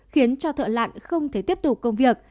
khiến cho thợ lặn không thể tiếp tục công việc